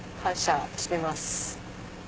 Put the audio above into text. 感謝してます。